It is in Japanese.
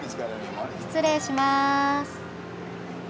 失礼します。